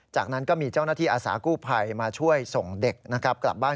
จากนั้นก็มีเจ้าหน้าที่อาสากู้ภัยมาช่วยส่งเด็กนะครับกลับบ้าน